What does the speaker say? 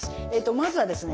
まずはですね